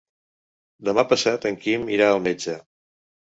Demà passat en Quim irà al metge.